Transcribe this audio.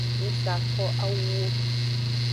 Ng sa ko awuwo.